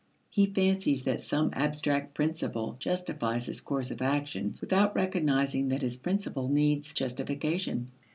He fancies that some abstract principle justifies his course of action without recognizing that his principle needs justification.